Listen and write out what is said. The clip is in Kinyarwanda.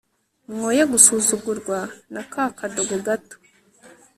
mwoye gusuzugurwa na ka kadogo gato